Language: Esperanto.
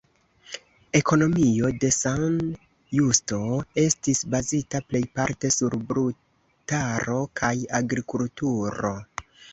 Ekonomio de San Justo estis bazita plejparte sur brutaro kaj agrikulturo.